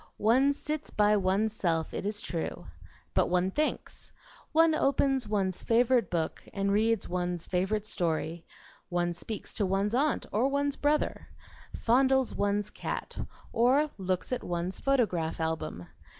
One sits by one's self, it is true, but one thinks; one opens one's favorite book and reads one's favorite story; one speaks to one's aunt or one's brother, fondles one's cat, or looks at one's photograph album.